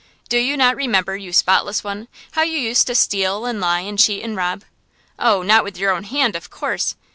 Do you not remember, you spotless one, how you used to steal and lie and cheat and rob? Oh, not with your own hand, of course!